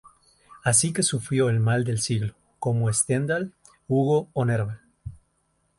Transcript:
Así que sufrió el "mal del siglo" como Stendhal, Hugo o Nerval.